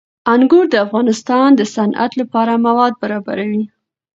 انګور د افغانستان د صنعت لپاره مواد برابروي.